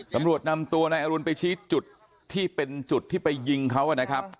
ตำรวจนำตัวนายอรุณไปชี้จุดที่เป็นจุดที่ไปยิงเขานะครับ